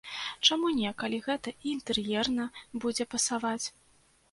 Чаму не, калі гэта і інтэр'ерна будзе пасаваць?